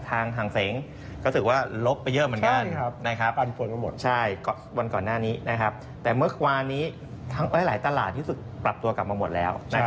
ทางฝั่งหังเซ้งพรุ่งนี้เปิดมาก็สำเร็จดูคลื่นบวกไป๒๕๖แล้ว